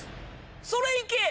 それいけ！